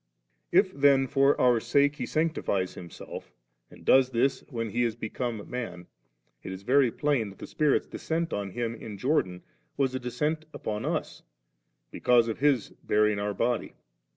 47. If then for our sake He sanctifies Him self, and does this when He is become man, it is very plain that the Spirit's descent on Him in Jordan was a descent upon us, because of His bearing our body.